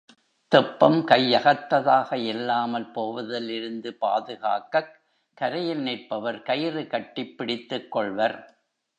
தெப்பம் கையகத்ததாக இல்லாமல் போவதிலிருந்து பாதுகாக்கக் கரையில் நிற்பவர் கயிறு கட்டிப் பிடித்துக் கொள்வர்.